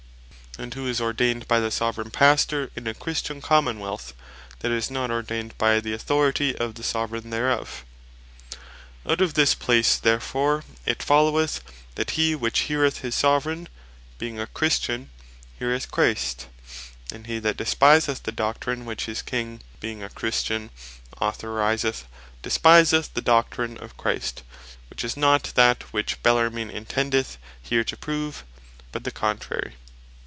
and who is ordained by the Soveraign Pastor in a Christian Common wealth, that is not ordained by the authority of the Soveraign thereof? Out of this place therefore it followeth, that he which heareth his Soveraign being a Christian, heareth Christ; and hee that despiseth the Doctrine which his King being a Christian, authorizeth, despiseth the Doctrine of Christ (which is not that which Bellarmine intendeth here to prove, but the contrary).